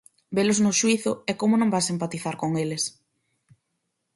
Velos no xuízo e como non vas empatizar con eles?